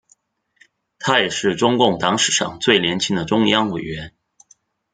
他也是中共党史上最年轻的中央委员。